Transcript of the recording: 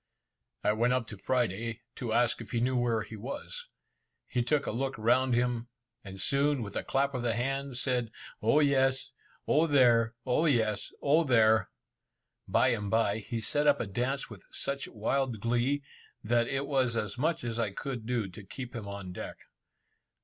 I went up to Friday, to ask if he knew where he was. He took a look round him, and soon, with a clap of the hands, said "O yes! O there! O yes! O there!" Bye and bye, he set up a dance with such wild glee, that it was as much as I could do to keep him on deck.